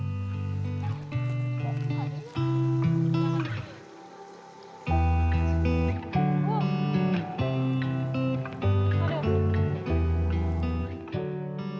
kami sudah selesai